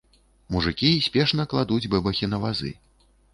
Мужыкі спешна кладуць бэбахі на вазы.